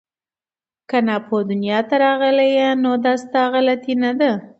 که ناپوه دنیا ته راغلې نو دا ستا غلطي نه ده